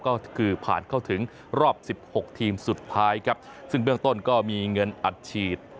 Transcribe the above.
ก็คือผ่านเข้าถึงรอบสิบหกทีมสุดท้ายครับซึ่งเบื้องต้นก็มีเงินอัดฉีด